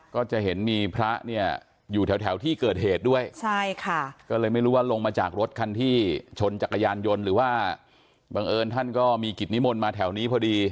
ก็จะเห็นมีพระเนี่ยอยู่แถวที่เกิดเหตุด้วยใช่ค่ะก็เลยไม่รู้ว่าลงมาจากรถคันที่ชนจักรยานยนต์หรือว่าบังเอิญท่านก็มีกิจนิมนต์มาแถวนี้พอดี